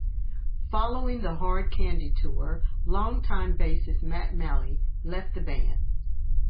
Following the Hard Candy tour, longtime bassist Matt Malley left the band.